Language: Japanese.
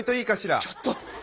ちょっと。